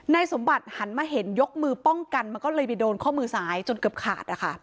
สมบัติหันมาเห็นยกมือป้องกันมันก็เลยไปโดนข้อมือซ้ายจนเกือบขาด